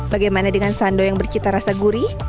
bagaimana dengan sando yang bercita rasa gurih